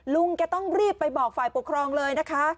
ลุงแกต้องรีบไปบอกฝ่ายปกครองเลยนะคะ